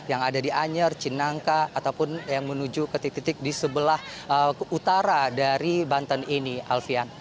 yang ada di anyer cinangka ataupun yang menuju ke titik titik di sebelah utara dari banten ini alfian